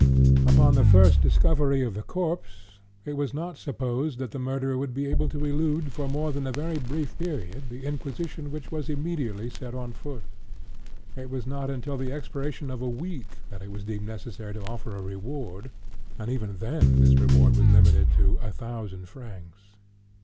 Upon the first discovery of the corpse, it was not supposed that the murderer would be able to elude, for more than a very brief period, the inquisition which was immediately set on foot. It was not until the expiration of a week that it was deemed necessary to offer a reward; and even then this reward was limited to a thousand francs.